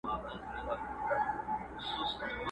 چي لومړۍ ورځ مي هگۍ ورته راغلا کړه!!